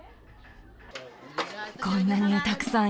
こんなにたくさんいいの？